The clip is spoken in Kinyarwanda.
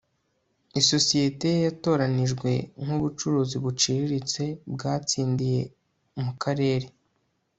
Isosiyete ye yatoranijwe nkubucuruzi buciriritse bwatsindiye mu karere